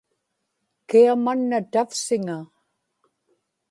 kia manna tavsiŋa